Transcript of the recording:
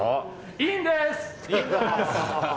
いいんです！